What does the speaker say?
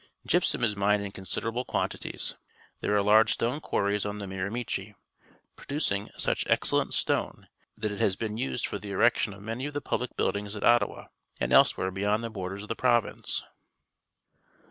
Gypsum is mined in considerable quantities. There are large stone quarries on the Mira niichi, producing such excellent stone that it has been used for the erection of many of the public buildings at Ottawa, and elsewhere beyond the borders of the province.